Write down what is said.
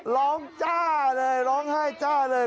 จ้าเลยร้องไห้จ้าเลย